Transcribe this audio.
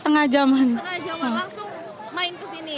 setengah jam langsung main ke sini